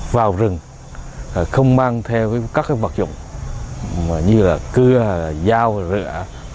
vào rừng không mang theo các vật dụng như là cưa dao rửa